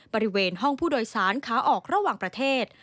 บริเวณห้องผู้โดยสารขาออกระหว่างประเทศ